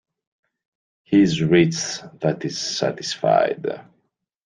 He is rich that is satisfied.